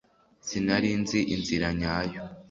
Sinari nzi inzira nyayo